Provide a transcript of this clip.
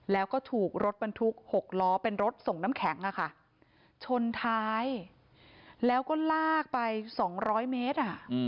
แล้วก็ถูกรถบรรทุก๖ล้อเป็นรถส่งน้ำแข็งชนท้ายแล้วก็ลากไป๒๐๐เมตร